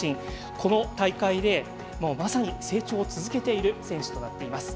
この大会でまさに成長を続けている選手となっています。